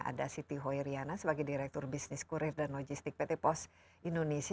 ada siti hoiriana sebagai direktur bisnis kurir dan logistik pt pos indonesia